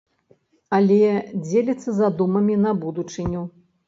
Але дзеліцца задумамі на будучыню.